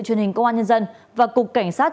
truyền hình công an nhân dân và cục cảnh sát